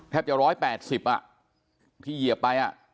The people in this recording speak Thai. แทบจะ๑๘๐ที่เหยียบไป